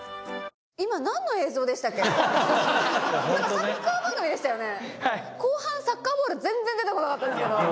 サッカー番組でしたよね？